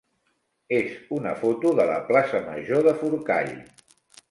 és una foto de la plaça major de Forcall.